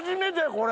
これ。